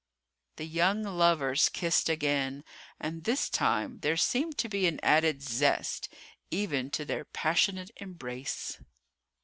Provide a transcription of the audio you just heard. The young lovers kissed again and this time there seemed to be an added zest, even to their passionate embrace.